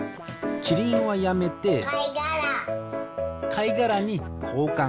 かいがらにこうかん。